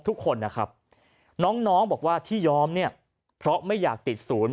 ทุกคนนะครับน้องบอกว่าที่ยอมเนี่ยเพราะไม่อยากติดศูนย์